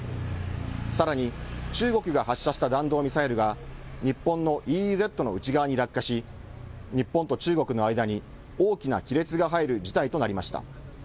さらに、中国が発射した弾道ミサイルが、日本のＥＥＺの内側に落下し、日本と中国の間に大きな亀裂が入る事態となりました。